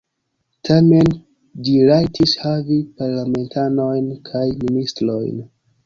Tamen ĝi rajtis havi parlamentanojn kaj ministrojn.